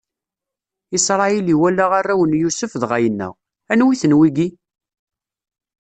Isṛayil iwala arraw n Yusef, dɣa yenna: Anwi-ten wigi?